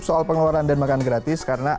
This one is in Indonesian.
soal pengeluaran dan makan gratis karena